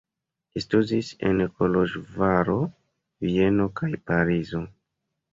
Li studis en Koloĵvaro, Vieno kaj Parizo.